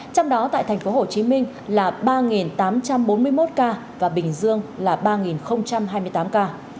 trong đó tại tp hcm là ba tám trăm bốn mươi một ca và bình dương là ba hai mươi tám ca